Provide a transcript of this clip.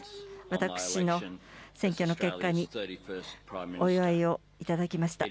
私の選挙の結果にお祝いをいただきました。